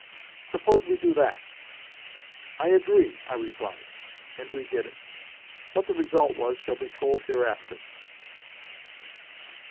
Suppose we do that?" "I agree," I replied. And we did it. What the result was shall be told hereafter.